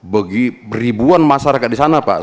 bagi ribuan masyarakat di sana pak